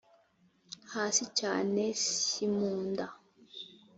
hasi cyane s mu nda